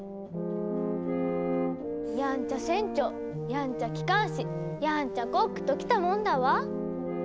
やんちゃ船長やんちゃ機関士やんちゃコックときたもんだわ。